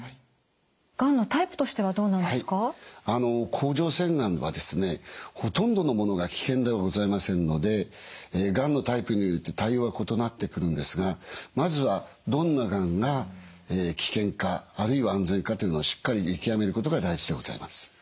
甲状腺がんはですねほとんどのものが危険ではございませんのでがんのタイプによって対応は異なってくるんですがまずはどんながんが危険かあるいは安全かというのをしっかり見極めることが大事でございます。